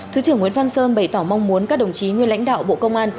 thứ trưởng nguyễn văn sơn bày tỏ mong muốn các đồng chí nguyên lãnh đạo bộ công an